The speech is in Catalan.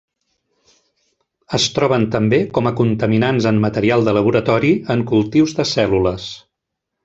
Es troben també com a contaminants en material de laboratori en cultius de cèl·lules.